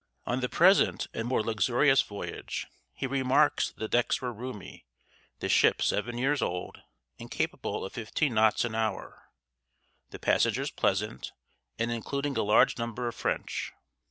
On the present and more luxurious voyage, he remarks that the decks were roomy, the ship seven years old, and capable of fifteen knots an hour, the passengers pleasant, and including a large number of French.